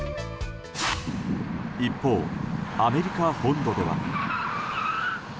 一方、アメリカ本土では。